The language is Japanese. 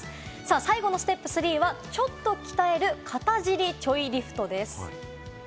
最後のステップ３は、ちょっと鍛える片尻ちょいリフトです。